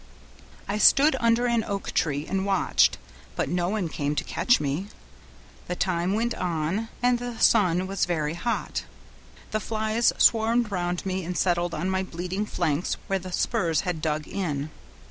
I stood under an oak tree and watched, but no one came to catch me. The time went on, and the sun was very hot; the flies swarmed round me and settled on my bleeding flanks where the spurs had dug in.